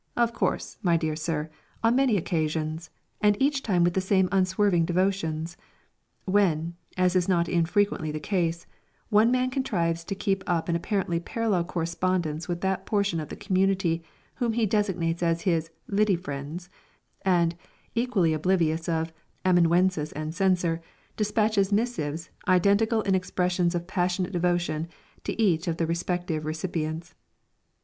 Of course, my dear sir, on many occasions, and each time with the same unswerving devotion," when, as is not infrequently the case, one man contrives to keep up an apparently parallel correspondence with that portion of the community whom he designates as his "Lidy friends," and, equally oblivious of amanuensis and censor, dispatches missives, identical in expressions of passionate devotion, to each of the respective recipients.